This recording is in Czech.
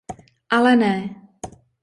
Ale ne!